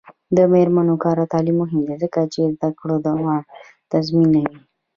د میرمنو کار او تعلیم مهم دی ځکه چې زدکړو دوام تضمینوي.